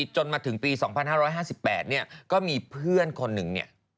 จนมาถึงปี๒๕๕๘ก็มีเพื่อนคนหนึ่ง